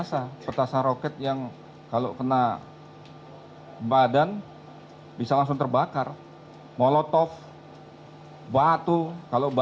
saya akan mencoba